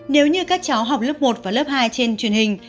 nếu như các cháu học lớp một và lớp hai trên truyền hình